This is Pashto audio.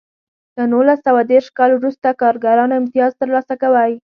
له نولس سوه دېرش کال وروسته کارګرانو امتیاز ترلاسه کوی.